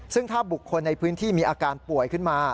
ซึ่งถ้าบุคคลในพื้นที่มีอาการป่วยขึ้นมา